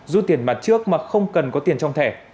rút tiền mặt trước mà không cần có tiền trong thẻ